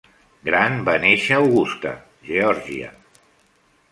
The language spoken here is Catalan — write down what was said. Grant va néixer a Augusta (Geòrgia).